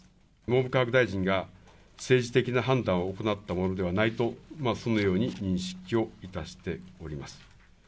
文部科学大臣が政治的な判断を行ったものではないと、そのように認識をいたしております。